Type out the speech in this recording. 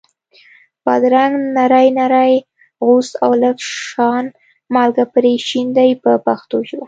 بادرنګ نري نري غوڅ او لږ شان مالګه پرې شیندئ په پښتو ژبه.